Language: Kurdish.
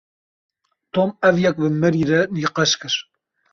Tom ev yek bi Maryê re nîqaş kir.